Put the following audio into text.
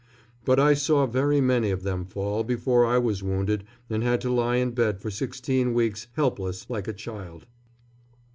But I saw very many of them fall before I was wounded and had to lie in bed for sixteen weeks, helpless, like a child.